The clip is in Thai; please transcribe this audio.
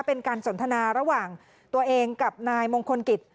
เป็นการสนทนาระหว่างตัวเองกับนายมงคลกิจ